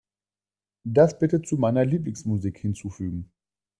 Das bitte zu meiner Lieblingsmusik hinzufügen.